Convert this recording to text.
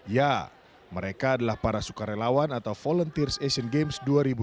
ya mereka adalah para sukarelawan atau volunteers asian games dua ribu delapan belas